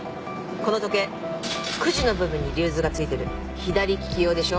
この時計９時の部分にリューズがついてる左利き用でしょ。